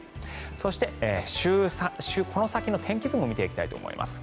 そしてこの先の天気図も見ていきたいと思います。